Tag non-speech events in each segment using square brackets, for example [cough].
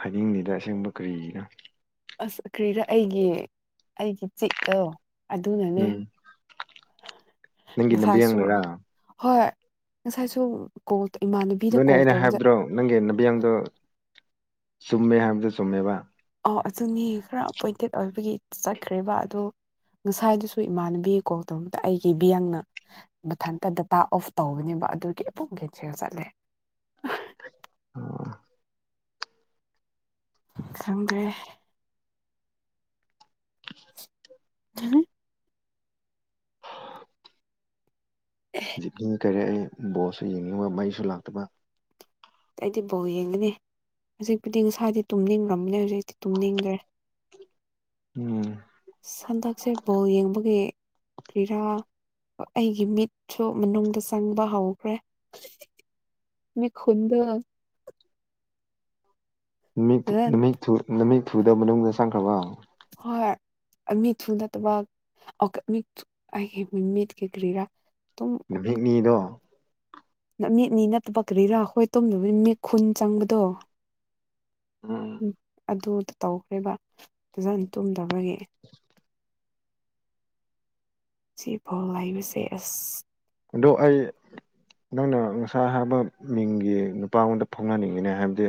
ꯍꯥꯏꯗꯤꯡꯂꯤꯗ ꯑꯁꯦꯡꯕ ꯀꯔꯤꯒꯤꯅꯣ ꯑꯁ ꯀ꯭ꯔꯤꯔ ꯑꯩꯒꯤ ꯑꯩꯒꯤ ꯆꯤꯛꯇꯣ ꯑꯗꯨꯅꯅꯦ ꯎꯝ ꯅꯪꯒꯤ ꯉꯁꯥꯏꯁꯨ ꯅꯕꯤꯌꯥꯡꯅꯔꯥ ꯍꯣꯏ ꯉꯁꯥꯏꯁꯨ ꯀꯣ ꯑꯗꯨꯅꯦ ꯑꯩꯅ ꯍꯥꯏꯕꯗ꯭ꯔꯣ ꯅꯪꯒꯤ ꯅꯕꯤꯌꯥꯡꯗꯣ ꯆꯨꯝꯃꯦ ꯍꯥꯏꯕꯗꯨꯣ ꯆꯨꯝꯃꯦꯕ ꯑꯧ ꯑꯗꯨꯅꯦ ꯈꯔ ꯑꯄꯣꯏꯟꯇꯦꯠ ꯑꯣꯏꯕꯒꯤ ꯆꯠꯈ꯭ꯔꯦꯕ ꯑꯗꯣ ꯉꯁꯥꯏꯗꯨꯁꯨ ꯏꯃꯥꯟꯅꯕꯤ ꯀꯣꯛꯗꯃꯛꯇ ꯑꯩꯒꯤ ꯏꯕꯌꯥꯡꯅ ꯃꯊꯟꯇ ꯗꯇꯥ ꯑꯣꯐ ꯇꯧꯕꯒꯅꯦꯕ ꯑꯗꯨꯒꯤ ꯄꯨꯡꯒꯤꯁꯦꯡ ꯆꯠꯂꯦ ꯑ ꯈꯪꯗ꯭ꯔꯦ ꯎꯝ ꯖꯤꯞꯅꯤꯡ ꯀꯩꯔꯛꯑꯦ ꯕꯣꯁꯁꯨ ꯌꯦꯡꯅꯤꯡꯕ ꯃꯩꯁꯨ ꯂꯥꯛꯇꯕ ꯑꯩꯗꯤ ꯕꯥꯎ ꯌꯦꯡꯒꯅꯤ ꯍꯧꯖꯤꯛꯄꯨꯗꯤ ꯉꯁꯥꯗꯤ ꯇꯨꯝꯅꯤꯡꯈ꯭ꯔꯕꯅꯦ ꯍꯧꯖꯤꯛꯇꯤ ꯇꯨꯝꯅꯤꯡꯗ꯭ꯔꯦ ꯎꯝ ꯍꯟꯗꯛꯁꯦ ꯕꯣꯜ ꯌꯦꯡꯕꯒꯤ ꯀ꯭ꯔꯤꯔꯥ ꯑꯩꯒꯤ ꯃꯤꯠꯁꯨ ꯃꯅꯨꯡꯗ ꯆꯪꯕ ꯍꯧꯈ꯭ꯔꯦ ꯃ ꯈꯨꯟꯗ ꯅꯨꯃꯤ ꯐꯖꯅ ꯅꯨꯃꯤꯠ ꯅꯨꯃꯤꯠ ꯊꯨꯗ ꯃꯅꯨꯡꯗ ꯆꯪꯈ꯭ꯔꯕ ꯍꯣꯏ ꯃꯤꯠꯁꯨꯨ ꯅꯠꯇꯕ ꯃꯤ ꯃꯤꯠ ꯀ ꯀ꯭ꯔꯤꯔꯥ ꯅꯨꯃꯤꯠꯅꯤꯗꯣ ꯃꯤꯠꯅꯤ ꯅꯠꯇꯕꯛ ꯀꯔꯤꯔꯥ ꯑꯩꯈꯣꯏ ꯇꯣꯝꯗꯕ ꯃꯤ ꯈꯨꯟ ꯆꯪꯕꯗꯣ ꯎꯝ ꯑꯗꯨ ꯇꯧꯈ꯭ꯔꯦꯕ ꯐꯖꯅ ꯇꯨꯝꯗꯕꯒꯤ ꯁꯤ ꯐꯥꯎ ꯂꯥꯛꯏꯕꯁꯦ ꯑꯁ ꯑꯗꯣ ꯑꯩ ꯅꯪꯅ ꯑꯁꯥ ꯍꯥꯏꯕ ꯃꯤꯡꯒꯤ ꯅꯨꯄꯥꯉꯣꯟꯗ ꯐꯥꯎꯍꯟꯅꯤꯡꯉꯤꯅꯦ ꯍꯥꯏꯕꯗꯤ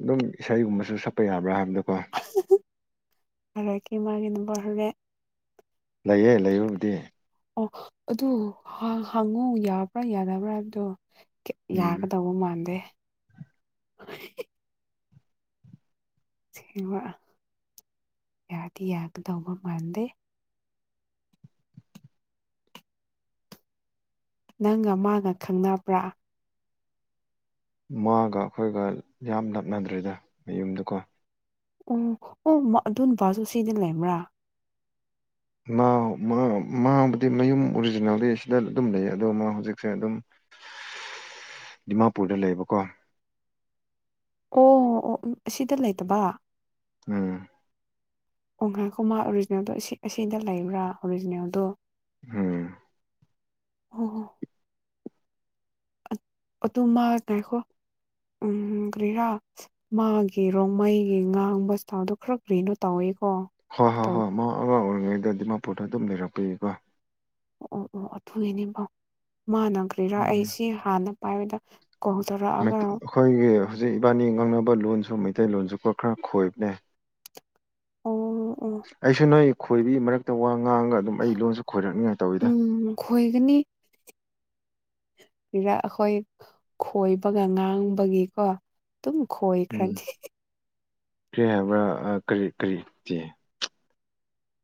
ꯑꯗꯨꯝ ꯏꯁꯩꯒꯨꯝꯕꯁꯨ ꯁꯛꯄ ꯌꯥꯕ꯭ꯔꯥ ꯍꯥꯏꯥꯟꯕꯗ ꯑꯗꯨꯋꯦ ꯂꯩꯌꯦ ꯂꯩꯔꯨꯕꯨꯗꯤ ꯑꯣ ꯑꯗꯨ ꯍꯥꯡꯉꯨ ꯌꯥꯕ꯭ꯔꯥ ꯌꯥꯗꯕ꯭ꯔꯥꯕꯗꯣ ꯎꯝ ꯌꯥꯒꯗꯧꯕ ꯃꯥꯟꯗꯦ ꯁꯤ ꯌꯥꯒꯤ ꯌꯥꯒꯗꯕ ꯃꯔꯗꯦ ꯅꯪꯒ ꯃꯥꯒ ꯈꯪꯅꯕ꯭ꯔꯥ ꯃꯥꯒ ꯑꯩꯈꯣꯏꯒ ꯌꯥꯝ ꯂꯞꯅꯗ꯭ꯔꯔꯤꯗ ꯃꯌꯨꯝꯗꯨꯀꯣ ꯑꯣ ꯑꯣ ꯑꯗꯨꯄꯥꯁꯨ ꯁꯤꯗ ꯂꯩꯕ꯭ꯔꯥ ꯃꯥꯥꯡꯕꯨꯗꯤ ꯃꯌꯨꯝ ꯑꯣꯔꯤꯖꯤꯅꯦꯜꯗꯤ ꯁꯤꯗ ꯑꯗꯨꯝ ꯂꯩ ꯑꯗꯣ ꯃꯥ ꯍꯧꯖꯤꯛꯁꯦ ꯑꯗꯨꯝ ꯗꯤꯃꯥꯄꯨꯔꯗ ꯂꯩꯌꯦꯕꯀꯣ ꯑꯣ ꯑꯣ ꯑꯁꯤꯗ ꯂꯩꯇꯕ ꯎꯝ ꯀꯣꯡꯈ꯭ꯔꯥ ꯀꯃꯥ ꯑꯣꯔꯤꯖꯤꯅꯦꯜꯗꯣ ꯑꯁꯤꯗ ꯂꯩꯕ꯭ꯔꯥ ꯑꯣꯔꯤꯖꯤꯅꯦꯜꯗꯣ ꯎꯝ ꯍ ꯍ ꯑꯗꯨ ꯃꯥ ꯀꯥꯏꯈꯣ ꯎꯝ ꯒ꯭ꯔꯤꯔꯥ ꯃꯥꯒꯤ ꯔꯣꯃꯩꯒꯤ ꯉꯥꯡꯕꯁꯇꯥꯎꯗꯣ ꯈꯔ ꯀꯒ꯭ꯔꯤꯅꯣ ꯇꯧꯋꯦꯀꯣ ꯍꯣꯏ ꯍꯣꯏ ꯇꯧ ꯍꯣꯏ ꯃ ꯑꯉꯥꯡ ꯑꯣꯏꯔꯤꯉꯩꯗ ꯗꯤꯃꯥꯄꯨꯔꯗ ꯑꯗꯨꯝ ꯂꯩꯔꯛꯄꯤꯌꯀꯣ ꯑꯣ ꯑꯣ ꯑꯗꯨꯨꯏꯅꯦꯕꯥꯎ ꯃꯥꯥꯟꯅꯈ꯭ꯔꯦꯔꯥ ꯑꯩ ꯎꯝ ꯁꯤ ꯍꯥꯟꯅ ꯄꯥꯏꯕꯗ ꯀꯣꯜ ꯇꯧꯔꯛꯑꯒ ꯑꯣ ꯑꯩꯈꯣꯏꯒꯤ ꯍꯧꯖꯤꯛ ꯏꯕꯥꯅꯤ ꯉꯥꯡꯅꯕ ꯂꯣꯟꯁ ꯁꯨꯝ ꯃꯩꯇꯩꯂꯣꯟꯖꯨꯞꯄ ꯈꯔ ꯈꯣꯏꯕꯅꯦ ꯑꯣ ꯑꯩꯁꯨ ꯅꯣꯏ ꯈꯣꯏꯕꯤ ꯃꯔꯛꯇ ꯋꯥ ꯑꯉꯥꯡꯒ ꯑꯗꯨꯝ ꯑꯩ ꯂꯣꯟꯁꯨ ꯈꯣꯏꯔꯛꯅꯤꯉꯥꯏ ꯇꯧꯋꯤꯗ ꯎꯝ ꯍꯔꯛ ꯑꯩꯈꯣꯏ ꯈꯣꯏꯕꯒ ꯉꯥꯡꯕꯒꯤꯀꯣ ꯑꯗꯨꯝ ꯎꯝ ꯈꯣꯏꯈ꯭ꯔꯅꯤ ꯀꯔꯤ ꯍꯥꯏꯕ꯭ꯔꯥ ꯀꯔꯤ ꯀꯔꯤꯇꯤ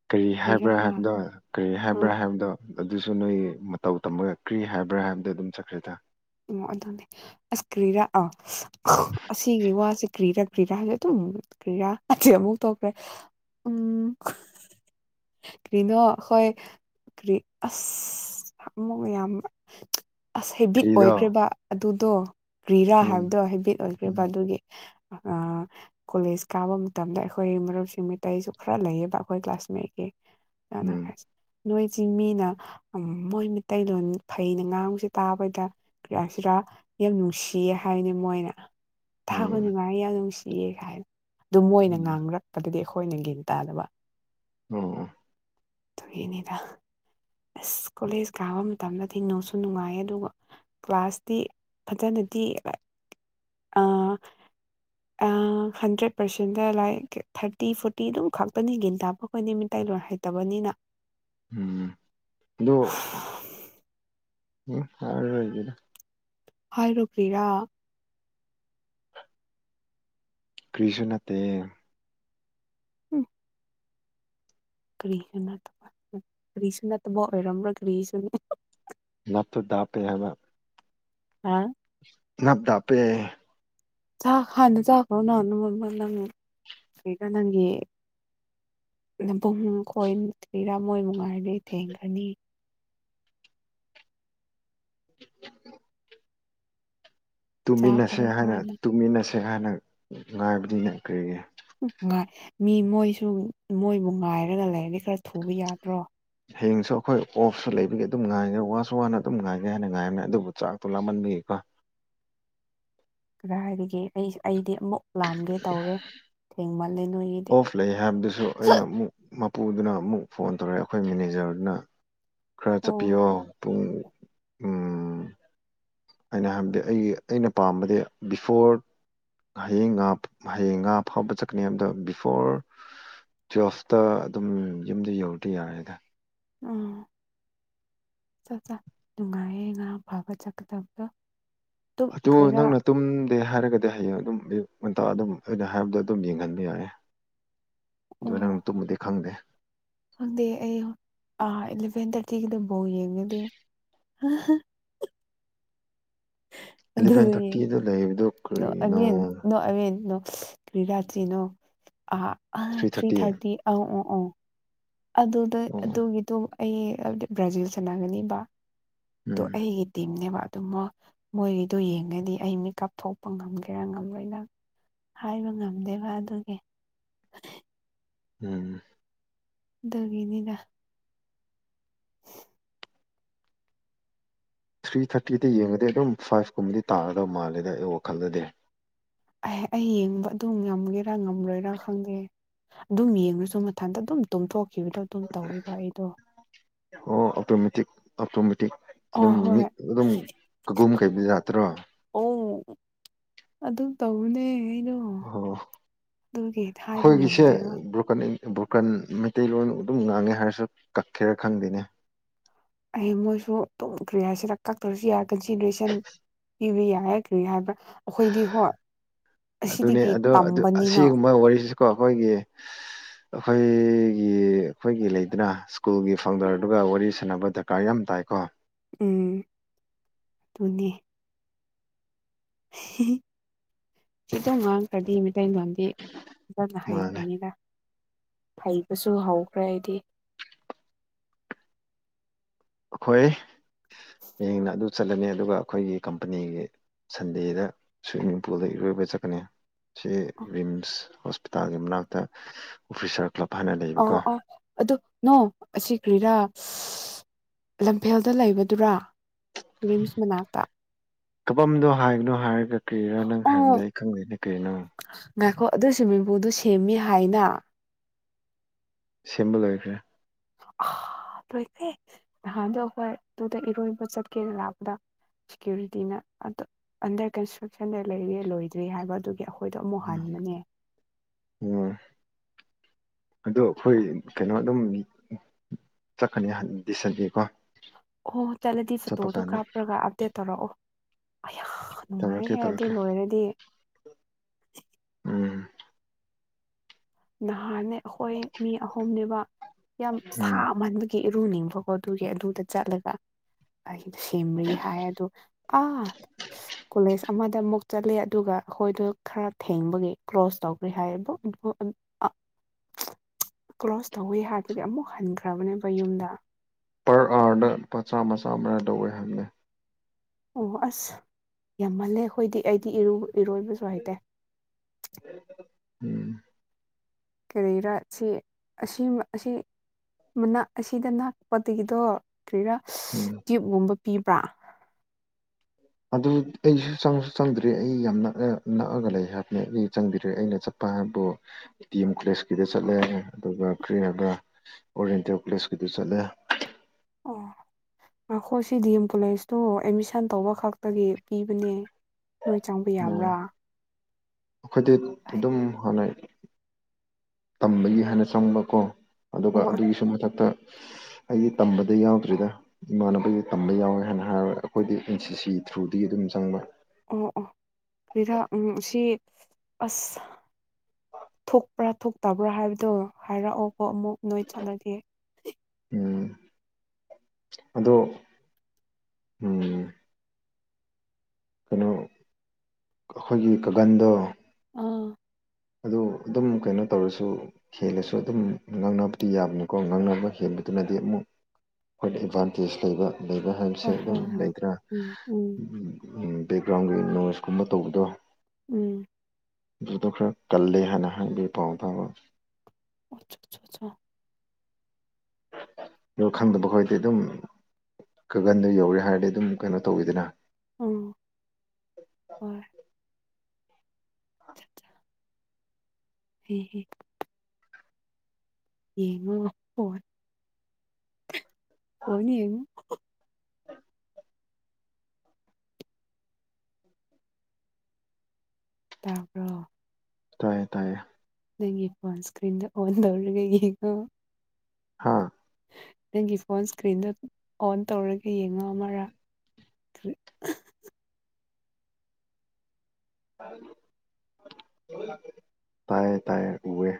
ꯀꯔꯤ ꯀꯔꯤꯔꯥ ꯍꯥꯏꯕ꯭ꯔꯥ ꯍꯥꯏꯕꯗꯣ ꯀꯔꯤ ꯑꯥ ꯍꯥꯏꯕ꯭ꯔꯥ ꯍꯥꯏꯕꯗꯣ ꯑꯗꯨꯁꯨ ꯅꯣꯏ ꯃꯇꯧ ꯇꯝꯕꯒꯛꯀ꯭ꯔꯤ ꯍꯥꯏꯕ꯭ꯔꯥ ꯍꯥꯏꯕꯗ ꯑꯗꯨꯝ ꯆꯠꯈ꯭ꯔꯦꯗ ꯑꯗꯨꯅꯦ ꯑꯁ ꯀ꯭ꯔꯤꯔꯥ ꯑꯥ ꯑꯁꯤꯒꯤ ꯋꯥꯁꯦ ꯀ꯭ꯔꯤꯔꯥ ꯀ꯭ꯔꯤꯔꯥ ꯍꯥꯏꯁꯦ ꯑꯗꯨꯝ ꯀ꯭ꯔꯤꯌꯥ ꯑꯁꯤ ꯑꯃꯨꯛ ꯇꯧꯈ꯭ꯔꯦ ꯎꯝ ꯀꯔꯤꯅꯣ ꯍꯣꯏ ꯀ꯭ꯔꯤ ꯑꯁ ꯑꯃꯛ ꯌꯥꯝ ꯑꯁ ꯀꯔꯤꯗꯣ ꯑꯣꯏꯈ꯭ꯔꯤꯕ ꯑꯗꯨꯗꯣ ꯒ꯭ꯔꯤꯔꯥ ꯎꯝ ꯍꯥꯏꯕꯗꯣ ꯍꯥꯏꯕꯤꯠ ꯑꯣꯏꯈ꯭ꯔꯤꯕ ꯎꯝ ꯑꯗꯨꯒꯤ ꯀꯣꯂꯦꯖ ꯀꯥꯕ ꯃꯇꯝꯗ ꯑꯩꯈꯣꯏ ꯃꯔꯨꯞꯁꯤꯡ ꯃꯤꯇꯩꯁꯨ ꯈꯔ ꯂꯩꯌꯦꯕ ꯑꯩꯈꯣꯏ ꯀ꯭ꯂꯥꯁꯃꯦꯠꯀꯤ ꯆꯂ ꯎꯝ ꯍꯥꯏ ꯅꯣꯏꯁꯤ ꯃꯤꯅ ꯃꯣꯏ ꯃꯩꯂꯣꯟ ꯐꯩꯅ ꯉꯥꯡꯁꯦ ꯇꯥꯕꯗ ꯀꯌꯥꯁꯤꯔꯥ ꯌꯥꯝ ꯅꯨꯡꯁꯤꯌꯦ ꯍꯥꯏꯅꯦ ꯃꯣꯏꯅ ꯊꯥꯕ ꯎꯝ ꯅꯨꯡꯉꯥꯏ ꯌꯥꯝ ꯅꯨꯡꯁꯤ ꯄ ꯀꯥꯏꯅ ꯑꯗꯨ ꯃꯣꯏꯅ ꯎꯝ ꯉꯥꯡꯅꯔꯛꯄꯗꯗꯤ ꯑꯩꯈꯣꯏꯅ ꯒꯟ ꯇꯥꯗꯕ ꯑꯣ ꯌꯦꯅꯤꯔ ꯑꯁ ꯀꯣꯂꯦꯖ ꯀꯥꯕ ꯃꯇꯝꯗ ꯊꯦꯡꯉꯣꯁꯨ ꯅꯨꯡꯉꯥꯏ ꯑꯗꯨꯒ ꯀ꯭ꯂꯥꯁꯇꯤ ꯐꯖꯅ ꯗꯤ [unintelligible] hundred percent like thirty forty ꯑꯗꯨꯝ ꯈꯛꯇꯅꯤ ꯒꯤꯟ ꯇꯥꯕꯈꯣꯏꯅꯤ ꯃꯤꯇꯩꯇꯂꯣꯟ ꯍꯥꯏꯇꯥꯦ ꯐꯠ ꯇꯕꯅꯤꯅ ꯎꯝ ꯑ ꯎ ꯐꯔ ꯑꯣꯏꯒꯗ ꯐꯥꯏꯔꯣ ꯀꯔꯤꯔꯥ ꯀ꯭ꯔꯤꯁꯨ ꯅꯠꯇꯦ ꯎꯝ ꯀ꯭ꯔꯤꯅꯥ ꯀ꯭ꯔꯤꯁꯅꯥꯇ ꯑꯣꯏꯔꯝ꯭ꯔꯣ ꯀꯔꯤꯁꯅ ꯗꯦꯃ ꯑ ꯅꯞꯗꯥꯄꯦ ꯆ ꯍꯥꯟꯅ ꯆꯈ꯭ꯔꯣꯅꯅꯃ ꯅꯪ ꯀꯀꯥꯟ ꯅꯪꯒꯤꯦ ꯅꯕꯨꯡ ꯈꯣꯏꯔꯥ ꯃꯣꯏ ꯃꯨꯉꯥꯏꯔꯗꯤꯦ ꯊꯦꯡꯈ꯭ꯔꯅꯤ ꯇꯨꯝꯃꯤꯟꯅꯁꯦ ꯆꯥꯈ꯭ꯔꯣ ꯍꯥꯏꯅ ꯍꯥꯟꯅ ꯇꯨꯝꯃꯤꯟꯅꯁꯦ ꯍꯥꯏꯅ ꯉꯥꯏꯕꯅꯤꯅ ꯀꯔꯤꯒꯤ ꯉꯥꯏ ꯃꯤ ꯃꯣꯏꯁꯨ ꯃꯣꯏꯕꯨ ꯉꯥꯏꯔꯒ ꯂꯩꯔꯗꯤ ꯈꯔ ꯊꯨꯕ ꯌꯥꯗ꯭ꯔꯣ ꯍꯦꯡꯁꯨ ꯑꯩꯈꯣꯏ ꯑꯣꯐꯁꯨ ꯂꯩꯕꯒꯤ ꯑꯗꯨꯝ ꯉꯥꯏꯔꯦ ꯋꯥꯁꯨ ꯋꯥꯅ ꯑꯗꯨꯝ ꯉꯥꯏꯒꯦ ꯍꯥꯏꯅ ꯉꯥꯏꯔꯝꯃꯦ ꯑꯗꯨꯕꯨ ꯆꯥꯛꯇꯣ ꯂꯥꯃꯟꯕꯒꯤ ꯑꯩ ꯑ ꯀꯗꯥ ꯍꯥꯏꯔꯤꯒꯦ ꯑꯩ ꯑꯩꯗꯤ ꯑꯃꯨꯛ ꯂꯥꯝꯒꯦ ꯇꯧꯔꯦ ꯊꯦꯡꯃ ꯑꯣꯐ ꯂꯩ ꯍꯥꯏꯕꯗꯨꯁꯨ ꯑꯩꯅ ꯑꯃꯨꯛ ꯃꯄꯨꯗꯨꯅ ꯑꯃꯨꯛ ꯐꯣꯟ ꯇꯧꯔꯛꯑꯦ ꯑꯩꯈꯣꯏ ꯃꯦꯅꯦꯖꯔꯗꯨꯅ ꯈꯔ ꯑꯣ ꯆꯠꯄꯤꯌꯣ ꯄꯨꯡ ꯎꯝ ꯑꯩꯅ ꯍꯥꯏꯕꯗꯤ ꯑꯩꯒꯤ ꯑꯩꯅ ꯄꯥꯝꯕꯗꯤ ꯕꯤꯐꯣꯔ ꯍꯡꯥ ꯍꯌꯦꯡ ꯉꯥ ꯐꯥꯎꯕ ꯆꯠꯀꯅꯤ ꯑꯗ ꯕꯤ ꯐꯣꯔ ꯇꯨꯋꯦꯜꯐꯇ ꯑꯗꯨꯝ ꯌꯨꯝꯗ ꯌꯧꯔꯗꯤ ꯌꯥꯔꯦꯗ ꯎꯝ ꯆꯠ ꯆ ꯅꯨꯡꯉꯥꯏꯌꯦ ꯉꯥ ꯐꯥꯕ ꯆꯠꯀꯗꯕꯗ ꯑꯗꯨ ꯅꯪꯅ ꯇꯨꯝꯗꯦ ꯍꯥꯏꯔꯒꯗꯤ ꯍꯌꯦꯡ ꯑꯗꯨꯝ ꯉ ꯑꯗꯨꯝ ꯑꯩꯅ ꯍꯥꯏꯕꯗꯣ ꯑꯗꯨꯝ ꯌꯦꯡꯍꯟꯕ ꯌꯥꯏꯦ ꯑꯗꯨ ꯑꯣ ꯅꯪ ꯇꯨꯝꯕꯨꯗꯤ ꯈꯪꯗꯦ ꯈꯪꯗꯦ ꯑꯩꯥ ꯏꯂꯚꯦꯟ ꯊꯥꯔꯇꯤꯒꯤꯗꯐꯥꯎ ꯌꯦꯡꯒꯗꯦ ꯍꯥ ꯑꯦꯂꯚꯦꯟ ꯑꯗꯨꯗꯤ ꯊꯥꯔꯇꯤꯗ ꯂꯩꯕꯗꯣ ꯀꯔꯤꯅꯣ ꯑꯦꯟ ꯅꯣ ꯑꯕꯦꯟ ꯅꯣ ꯀ꯭ꯔꯤ ꯔꯥꯇꯤꯅꯣ ꯑ ꯑ ꯊ꯭ꯔꯤ ꯊꯥꯔꯇꯤ ꯑ ꯑ ꯑ ꯑꯗꯨꯗ ꯑꯣ ꯑꯗꯨꯒꯤꯗꯣ ꯑꯩ ꯕ꯭ꯔꯥꯖꯤꯜ ꯆꯥꯟꯅꯒꯅꯤꯕ ꯎꯝ ꯑꯩꯒꯤꯇꯅꯦ ꯋꯥ ꯑꯗꯨꯃ ꯃꯣꯏꯒꯤꯗꯣ ꯌꯦꯡꯉꯗꯤ ꯑꯩ ꯃꯤꯀꯞ ꯊꯣꯛꯄ ꯉꯝꯒꯦꯔꯥ ꯉꯝꯂꯣꯏꯅ ꯍꯥꯏꯕ ꯉꯝꯗꯦꯕ ꯑꯗꯨꯒꯤ ꯎꯝ ꯑꯗꯨꯒꯅꯤꯗ ꯊ꯭ꯔꯤ ꯊꯥꯔꯇꯤꯗ ꯌꯦꯡꯉꯗꯤ ꯑꯗꯨꯝ ꯐꯥꯏꯚ ꯀꯨꯝꯕꯗꯤ ꯇꯥꯔꯗꯧ ꯃꯥꯜꯂꯦꯗ ꯑꯩ ꯋꯥꯈꯜꯗꯗꯤ ꯑꯦ ꯑꯩ ꯌꯦꯡꯕ ꯑꯗꯨꯝ ꯉꯝꯒꯦꯔꯥ ꯉꯝꯂꯣꯏꯔꯥ ꯈꯪꯗꯦ ꯑꯗꯨꯝ ꯌꯦꯡꯉꯁꯨ ꯃꯊꯟꯇ ꯑꯗꯨꯝ ꯇꯨꯝꯊꯣꯛꯈꯤꯕꯗꯣ ꯑꯗꯨꯝ ꯇꯧꯕ ꯑꯩꯗꯣ ꯑꯣ ꯑꯣꯇꯣꯃꯦꯇꯤꯛ ꯑꯣꯇꯣꯃꯦꯇꯤꯛ ꯑꯣ ꯑꯗꯨꯝ ꯃꯤ ꯍꯣꯏ ꯑꯗꯨꯝ ꯀꯒꯨꯝ ꯀꯩꯕ ꯌꯥꯠꯇ꯭ꯔꯣ ꯑꯗꯨ ꯑꯗꯨ ꯇꯧꯅꯦ ꯑꯣ ꯍꯥꯏꯕ ꯑꯩꯈꯣꯏꯒꯤꯁꯦ ꯉꯝꯗꯦꯕ ꯕ꯭ꯔꯣꯀꯅꯤ ꯕꯣꯔꯀꯟ ꯃꯩꯇꯩꯂꯣꯟ ꯑꯗꯨꯝ ꯉꯥꯡꯉꯦ ꯍꯥꯏꯔꯁꯨ ꯀꯛꯈꯦꯔ ꯈꯪꯗꯦꯅꯦ꯫ ꯑꯩ ꯃꯣꯏꯁꯨ ꯇꯨꯝ ꯀꯔꯤꯍꯥꯏꯁꯤꯔ ꯀꯛꯇ꯭ꯔꯁꯨ ꯌꯥꯏ ꯀꯟꯁꯤꯗꯔꯦꯁꯟ꯫ ꯄꯤꯕ ꯌꯥꯔꯦ ꯀꯔꯤ ꯍꯥꯏꯕ꯭ꯔꯥ ꯑꯩꯈꯣꯏꯗꯤ ꯍꯣꯏ ꯑꯗꯨꯅꯦ ꯑꯁꯤꯗꯒꯤ ꯑꯗꯣ ꯇꯝꯕꯅꯤꯅ ꯑꯁꯤꯒꯨꯝꯕ ꯋꯥꯔꯤꯁꯤꯁꯨꯀꯣ ꯑꯩꯈꯣꯏꯒꯤ ꯑꯩꯈꯣꯏꯒꯤ ꯑꯩꯈꯣꯏꯒꯤ ꯂꯩꯗꯅ ꯁ꯭ꯀꯨꯜꯒꯤ ꯐꯥꯎꯟꯗꯔꯗꯨꯒ ꯋꯥꯔꯤ ꯁꯥꯟꯅꯕ ꯗꯔꯀꯥꯔ ꯌꯥꯝ ꯇꯥꯏ ꯇꯏꯀꯣ꯫ ꯎꯝ ꯑꯗꯨꯅꯤ꯫ ꯁꯤꯇꯪ ꯉꯥꯡꯈ꯭ꯔꯗꯤ ꯃꯩꯇꯩ ꯃꯥꯡꯗꯤ꯫ ꯖꯠꯅ ꯃꯥꯅꯦ ꯍꯥꯏꯌꯦꯈ꯭ꯔꯅꯤꯗ꯫ ꯍꯩꯕꯁꯨ ꯍꯧꯈ꯭ꯔꯦ ꯑꯩꯗꯤ꯫ ꯑꯩꯈꯣꯏ ꯍꯌꯦꯡꯅ ꯑꯗꯨ ꯆꯠꯂꯅꯤ ꯑꯗꯨꯒ ꯑꯩꯈꯣꯏꯒꯤ ꯀꯝꯄꯅꯤꯒꯤ ꯁꯟꯗꯦꯗ ꯁꯨꯏꯃꯤꯡ ꯄꯨꯜꯗ ꯏꯔꯣꯏꯕ ꯆꯠꯀꯅꯤ꯫ ꯁꯤ ꯔꯤꯝꯁ ꯍꯣꯁꯄꯤꯇꯥꯜꯒꯤ ꯃꯅꯥꯛꯇ ꯑꯣꯐꯤꯁꯥꯔ ꯀ꯭ꯂꯕ ꯍꯥꯏꯅ ꯑ ꯂꯩꯕꯀꯣ ꯑꯣ ꯑꯗꯨ ꯅꯣ ꯑꯁꯤ ꯀ꯭ꯔꯤꯔꯥ꯫ ꯂꯝꯐꯦꯜꯗ ꯂꯩꯕꯗꯨꯔꯥ ꯔꯤꯝꯁ ꯃꯅꯥꯛꯇ꯫ ꯀꯕꯥꯝꯗꯣ ꯍꯥꯏꯕꯅꯣ ꯍꯥꯏꯔꯒ ꯀꯔꯤꯔꯥ ꯅꯪ ꯑꯣ ꯍꯥꯏꯕꯗꯣ ꯑꯩ ꯈꯪꯗꯦꯅꯦ꯫ ꯀꯔꯤꯅꯣ ꯉꯥꯏꯈꯣ ꯑꯗꯨ ꯁꯨꯏꯃꯤꯡꯄꯨꯜꯗꯣ ꯁꯦꯝꯃꯤ ꯍꯥꯏꯅ꯫ ꯁꯦꯝꯕ ꯂꯣꯏꯈ꯭ꯔꯦ꯫ ꯂꯣꯏꯈꯔꯦ ꯅꯍꯥꯟꯗꯣ ꯑꯩꯈꯣꯏ ꯑꯗꯨꯗ ꯏꯔꯣꯏꯕ ꯆꯠꯀꯦꯅ ꯂꯥꯛꯄꯗ ꯁꯤꯀꯨꯔꯤꯇꯤꯅ ꯑꯗꯣ ꯑꯟꯗꯔ ꯀꯟꯁꯇ꯭ꯔꯛꯁꯟꯗ ꯂꯩꯔꯤꯌꯦ ꯂꯣꯏꯗ꯭ꯔꯤ ꯍꯥꯏꯕ ꯑꯗꯨꯒꯤ꯫ ꯑꯩꯈꯣꯏꯗꯣ ꯑꯃꯨꯛ ꯎꯝ ꯍꯟꯕꯅꯦ꯫ ꯎꯝ ꯑꯗꯣ ꯑꯩꯈꯣꯏ ꯀꯩꯅꯣ ꯑꯗꯨꯝ ꯆꯠꯀꯅꯤꯗꯤꯁꯟꯗꯤꯀꯣ꯫ ꯑꯣ ꯆꯠꯂꯗꯤ ꯐꯣꯇꯣꯗꯣ ꯀꯥꯞꯄ꯭ꯔꯒ ꯑꯞꯗꯦꯠ ꯇꯧꯔꯛꯑꯣ꯫ ꯇꯧꯔꯛꯀꯦ ꯅꯨꯡꯉꯥꯏꯍꯦ ꯑꯗꯨ ꯇꯧꯔꯛꯀꯦ ꯂꯣꯏꯔꯗꯤ꯫ ꯎꯝ ꯅꯍꯥꯟꯅꯦ ꯑꯩꯈꯣꯏ ꯃꯤ ꯑꯍꯨꯝꯅꯦꯕ ꯌꯥꯝ ꯎꯝ ꯁꯥꯃꯟꯕꯒꯤ꯫ ꯏꯔꯨꯅꯤꯡꯕꯀꯣ ꯑꯗꯨꯒꯤ ꯑꯗꯨꯗ ꯆꯠꯂꯒ꯫ ꯑꯩꯗ ꯁꯦꯝꯔꯤ ꯍꯥꯏ ꯑꯗꯣ ꯑꯥ ꯀꯣꯂꯦꯖ ꯑꯃꯗ ꯑꯃꯨꯛ ꯆꯠꯂꯦ ꯑꯗꯨꯒ ꯑꯩꯈꯣꯏꯗꯣ ꯈꯔ ꯊꯦꯡꯕꯒꯤ ꯀ꯭ꯂ꯭ꯔꯣꯁ ꯇꯧꯒꯦ ꯍꯥꯏ ꯑꯗꯣ ꯑ ꯀ꯭ꯥꯂꯁ ꯇꯧꯋꯤ ꯍꯥꯏꯕꯗꯤ ꯑꯃꯨꯛ ꯍꯟꯈ꯭ꯔꯕꯅꯦꯕ ꯌꯨꯝꯗ꯫ ꯄꯔ ꯑꯥꯔꯗ ꯂꯨꯄ ꯃꯆꯥ ꯃꯆꯥꯔ ꯂꯧꯋꯦ ꯍꯥꯏꯝꯅꯦ꯫ ꯑꯣ ꯑꯁ ꯌꯥꯝꯃꯜꯂꯦ ꯑꯩꯈꯣꯏꯗꯤ ꯑꯩꯗꯤ ꯏꯔꯣꯏꯕꯁꯨ ꯍꯥꯏꯇꯦ꯫ ꯎꯝ꯫ ꯀꯔꯤꯔꯥ ꯁꯤ ꯑꯁꯤ ꯑꯁꯤ꯫ ꯃꯅꯥꯛ ꯑꯁꯤꯗ ꯅꯛꯄꯗꯒꯤꯗꯣ ꯀꯔꯤꯔ ꯎꯝ ꯇ꯭ꯌꯨꯕꯒꯨꯝꯕ ꯄꯤꯕ꯭ꯔꯥ꯫ ꯑꯗꯨ ꯑꯩꯁꯨ ꯆꯪꯗ꯭꯭ꯔꯤ ꯑꯩ ꯌꯥꯝ ꯅꯛꯑ ꯅꯛꯑꯒ ꯂꯩ ꯍꯥꯏꯕꯅꯦ ꯑꯩ ꯆꯪꯗ꯭ꯔꯦ ꯑꯩꯅ ꯆꯄ ꯄꯥ ꯍꯥꯏꯕꯤ ꯇꯤ ꯑꯦꯝ ꯀꯣꯂꯦꯖꯀꯤꯗ ꯆꯠꯂꯦ ꯑꯗꯨꯒ ꯀ꯭ꯔꯤ ꯍꯥꯏꯕꯔ ꯑꯣꯔꯦꯟꯇꯦꯜ ꯀꯣꯂꯦꯖꯀꯤ ꯆꯠꯂꯦ꯫ ꯉꯏꯈꯣ ꯁꯤ ꯗꯤ ꯑꯦꯝ ꯀꯣꯂꯦꯖꯇꯨ ꯑꯦꯠꯃꯤꯁꯟ ꯇꯧꯕ ꯈꯛꯇꯒꯤ ꯄꯤꯕꯅꯦ꯫ ꯅꯣꯏ ꯆꯪꯕ ꯌꯥꯕ꯭ꯔꯥ꯫ ꯑꯩꯈꯣꯏꯗꯤ ꯑꯗꯨꯝ ꯍꯥꯟꯅꯩ꯫ ꯇꯝꯕꯒꯤ ꯍꯥꯏꯅ ꯆꯪꯕꯀꯣ ꯑꯗꯨꯒ ꯑꯣ ꯑꯗꯨꯒꯤꯁꯨ ꯃꯊꯛꯇ ꯑꯩꯗꯤ ꯇꯝꯕꯗ ꯌꯥꯎꯗ꯭ꯔꯤꯗ ꯏꯃꯥꯟꯅꯕꯒꯤ ꯇꯝꯕ ꯌꯥꯎꯋꯦ ꯍꯥꯏꯅ ꯍꯥꯏꯔꯒ ꯑꯩꯈꯣꯏꯗꯤ ꯑꯦꯟ ꯁꯤ ꯁꯤ ꯊ꯭ꯔꯨꯗꯒꯤ ꯑꯗꯨꯝ ꯆꯪꯕ꯫ ꯑꯣ ꯑꯣ [unintelligible] ꯁꯤ ꯑꯁ ꯊꯣꯛꯄ꯭ꯔꯥ ꯊꯣꯛꯇꯕ꯭ꯔꯥ ꯍꯥꯏꯕꯗꯣ ꯍꯥꯏꯔꯛꯑꯣꯕꯣ ꯑꯃꯨꯛ ꯅꯣꯏ ꯆꯠꯂꯒꯦ꯫ ꯎꯝ ꯑꯗꯣ ꯎꯝ ꯀꯩꯅꯣ ꯑꯩꯈꯣꯏꯒꯤ ꯀꯥꯀꯟꯗꯣ꯫ ꯑꯥ ꯑꯗꯨ ꯑꯗꯨꯝ ꯀꯩꯅꯣ ꯇꯧꯔꯁꯨ ꯍꯦꯜꯂꯁꯨ ꯑꯗꯨꯝ ꯉꯥꯡꯅꯕꯗꯤ ꯌꯥꯕꯅꯤꯀꯣ ꯉꯥꯡꯅꯕ ꯍꯦꯜꯕ ꯑꯗꯨꯅꯗꯤ ꯑꯃꯨꯛ ꯑꯩꯈꯣꯏꯗ ꯑꯦꯗꯚꯥꯟꯇꯦꯖ ꯂꯩꯕ ꯂꯩꯕ ꯍꯥꯏꯕꯁꯦ ꯍꯣꯏ ꯑꯗꯨꯝ ꯍꯣꯏ ꯍꯣꯏ ꯂꯩꯗ꯭ꯔꯥ ꯎ ꯎꯝ ꯎꯝ ꯕꯦꯛꯒ꯭ꯔꯥꯎꯟꯒꯤ ꯅꯣꯏꯁꯀꯨꯝꯕ ꯇꯧꯕꯗꯣ ꯎꯝ ꯑꯗꯨꯗꯣ ꯈꯔ ꯀꯜꯂꯦ ꯍꯥꯏꯅ ꯍꯪꯕ ꯄꯥꯎ ꯐꯥꯕ ꯑꯆꯥ ꯑꯆꯥ ꯑꯆꯥ ꯑꯣ ꯈꯪꯗꯕ ꯈꯣꯏꯗꯤ ꯑꯗꯨꯝ ꯈꯒꯟꯗꯣ ꯌꯧꯔꯦ ꯍꯥꯏꯔꯗꯤ ꯑꯗꯨꯝ ꯀꯩꯅꯣ ꯇꯧꯋꯤꯗꯅ ꯎꯝ ꯍꯣꯏ ꯍ ꯍ ꯌꯦꯡꯉꯣ ꯐꯟ ꯐꯟ ꯌꯦꯡꯉꯨ ꯇꯔꯕ꯭ꯔꯣ ꯇꯥꯏꯌꯦ ꯇꯥꯏꯌꯦ ꯅꯪꯒꯤ ꯐꯣꯟ ꯏꯁꯀ꯭ꯔꯤꯟꯗ ꯑꯣꯟ ꯇꯧꯔꯒ ꯌꯦꯀꯣ ꯍꯥꯥ ꯅꯪꯒꯤ ꯐꯣꯟ ꯏꯁꯀ꯭ꯔꯤꯟꯗ ꯑꯣꯟ ꯇꯧꯔꯒ ꯌꯦꯡꯉꯛꯑꯃꯔꯥ ꯊ ꯇꯥꯏ ꯇꯥꯏ ꯎꯋꯦ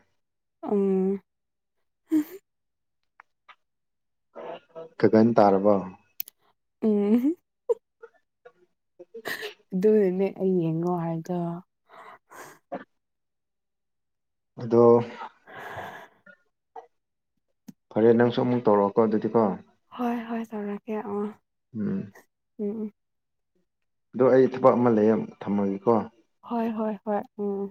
ꯎꯝ ꯈꯒꯟ ꯇꯥꯔꯕꯥ ꯎꯝ ꯑꯗꯨꯗꯨꯅꯦ ꯑꯩ ꯌꯦꯡꯉꯣ ꯍꯥꯏꯗꯣ ꯑꯗꯣ ꯐꯔꯦ ꯅꯪꯁꯨ ꯑꯃꯨꯛ ꯇꯧꯔꯛꯑꯣꯀꯣ ꯑꯗꯨꯗꯤꯀꯣ ꯍꯣꯏ ꯍꯣꯏ ꯆꯧꯔꯥꯛꯀꯦ ꯑ ꯎꯝ ꯎꯝꯝ ꯑꯣ ꯑꯩ ꯊꯕꯛ ꯑꯃ ꯂꯩ ꯊꯝꯃꯒꯦꯀꯣ ꯍꯣꯏ ꯍꯣꯏ ꯍꯣꯏ ꯎꯝ